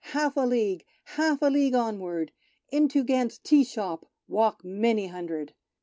Half a League ! Half a League, onward ! Into Gant's tea shop Walk many hundred.